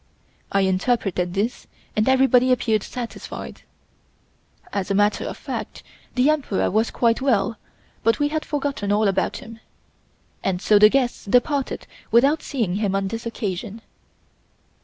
I interpreted this, and everybody appeared satisfied. As a matter of fact the Emperor was quite well, but we had forgotten all about him. And so the guests departed without seeing him on this occasion.